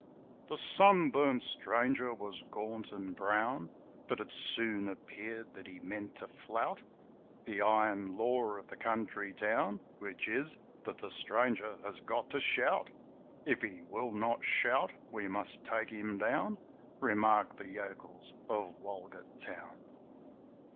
The sunburnt stranger was gaunt and brown, But it soon appeared that he meant to flout The iron law of the country town, Which is that the stranger has got to shout: 'If he will not shout we must take him down,' Remarked the yokels of Walgett Town.